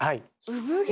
産毛。